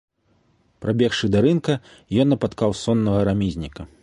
Прабегшы да рынка, ён напаткаў соннага рамізніка.